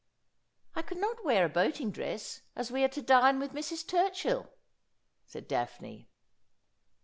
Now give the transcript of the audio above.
'I could not wear a boating dress, as we are to dine with Mrs. Turchill,' said Daphne.